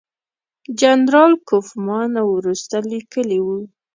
جنرال کوفمان وروسته لیکلي وو.